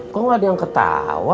kok gak ada yang ketawa